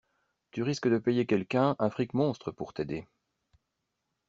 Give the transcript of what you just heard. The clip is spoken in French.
Tu risques de payer quelqu'un un fric monstre pour t'aider.